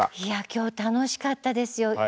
いや今日楽しかったですよ。